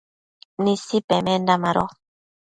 Nisi pemenda mado